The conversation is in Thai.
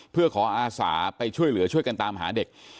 เพื่อขออาสาไปช่วยเหลือช่วยกันตามหาเด็ก